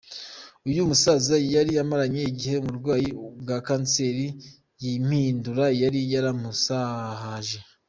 Uyu musaza yari amaranye igihe uburwayi bwa kanseri y’impindura yari yaramuzahaje.